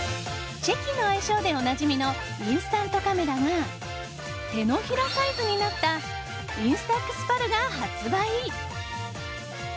チェキの愛称でおなじみのインスタントカメラが手のひらサイズになったＩＮＳＴＡＸＰａｌが発売！